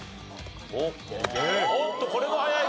おっとこれも早い。